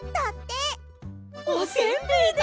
おせんべいだ！